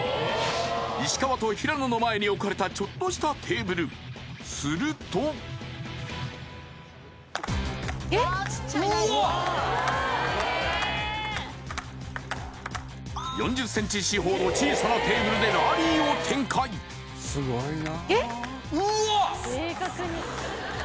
石川と平野の前に置かれたちょっとしたテーブルすると４０ｃｍ四方の小さなテーブルでラリーを展開うわ